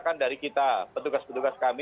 kan dari kita petugas petugas kami